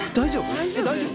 大丈夫？